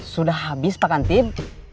sudah habis pak kantip